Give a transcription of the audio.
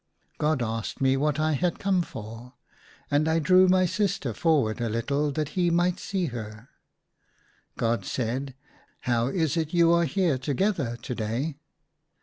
God asked me what I had come for ; 1 28 "/ TIIO UGHT I stood:' and I drew my sister forward a little that he might see her. God said, " How is it you are here together to day